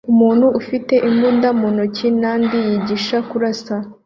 umuntu ufite imbunda mu ntoki nandi yigisha kurasa